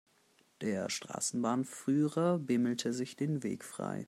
Der Straßenbahnführer bimmelte sich den Weg frei.